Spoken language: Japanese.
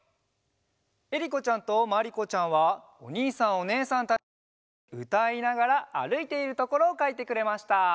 えりこちゃんとまりこちゃんはおにいさんおねえさんたちといっしょにうたいながらあるいているところをかいてくれました。